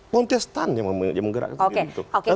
montestan yang menggerakkan